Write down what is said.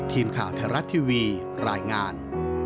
ทีมข่าวไทยรัฐทีวีรายงาน